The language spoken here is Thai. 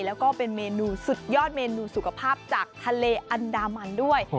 แล้วก็เป็นเมนูสุดยอดเมนูสุขภาพจากทะเลอันดามันด้วย